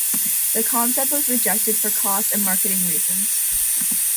The concept was rejected for cost and marketing reasons.